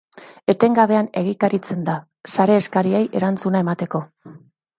Etengabean egikaritzen da, sare eskariei erantzuna emateko.